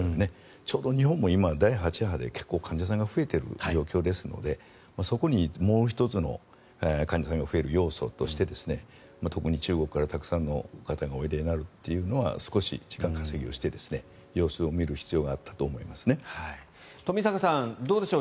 ちょうど日本も今、第８波で患者さんが増えている状況ですのでそこで、もう１つの患者さんが増える要素として特に中国からたくさんの方がおいでになるというのは少し時間稼ぎをして様子を見る必要があったと冨坂さん、どうでしょう